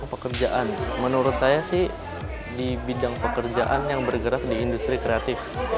pekerjaan menurut saya sih di bidang pekerjaan yang bergerak di industri kreatif